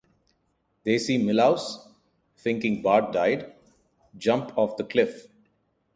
They see Milhouse, thinking Bart died, jump off the cliff.